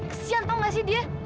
kasihan tau nggak sih dia